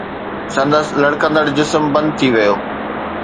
سندس لڙڪندڙ جسم بند ٿي ويو